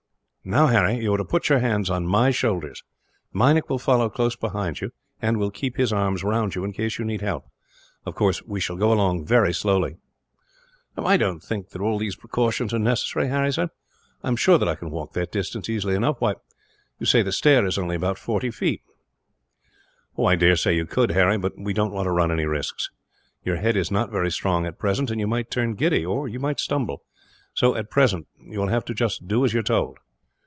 "Now, Harry, you are to put your hands on my shoulders. Meinik will follow close behind you, and will keep his arms round you, in case you need help. Of course, we shall go along very slowly." "I don't think that all these precautions are necessary," Harry said. "I am sure that I can walk that distance, easily enough. Why, you say the stair is only about forty feet." "I dare say you could, Harry; but we don't want to run any risks. Your head is not very strong, at present; and you might turn giddy, or you might stumble. So, at present, you will have just to do as you are told.